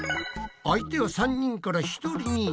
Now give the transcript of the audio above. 相手は３人から１人に。